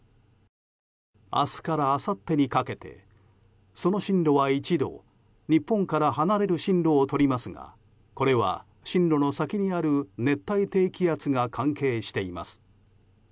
明日からあさってにかけてその進路は一度日本から離れる進路を取りますがこれは、進路の先にある熱帯低気圧が関係しています。